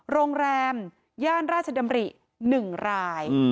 โรงแรมย่านราชดำริ๑ราย